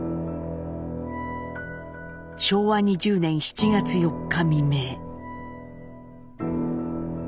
昭和２０年７月４日未明。